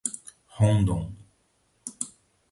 Rondon